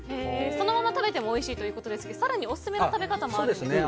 そのまま食べてもおいしいということですが更にオススメの食べ方があるんですよね？